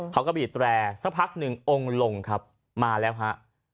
เขาก็บีดแร่สักพักหนึ่งองค์ลงครับมาแล้วฮะ